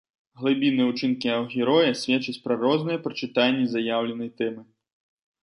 Глыбінныя ўчынкі яго героя сведчаць пра розныя прачытанні заяўленай тэмы.